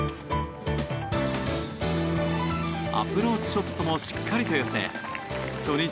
アプローチショットもしっかりと寄せ初日